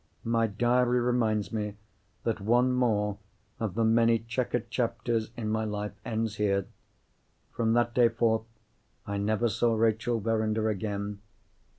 my diary reminds me that one more of the many chequered chapters in my life ends here. From that day forth, I never saw Rachel Verinder again.